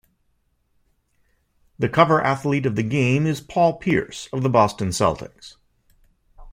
The cover athlete of the game is Paul Pierce of the Boston Celtics.